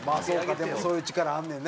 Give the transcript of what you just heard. でもそういう力あんねんな